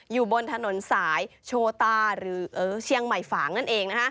อยู่บนถนนสายโชตาหรือเชียงใหม่ฝางนั่นเอง